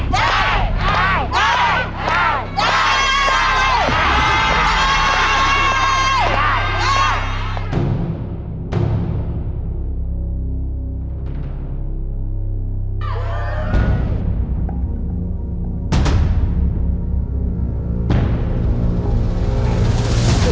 ได้